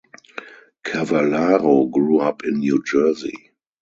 Cavallaro grew up in New Jersey.